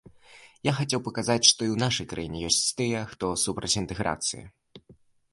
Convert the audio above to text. Я хацеў паказаць, што і ў нашай краіне ёсць тыя, хто супраць інтэграцыі.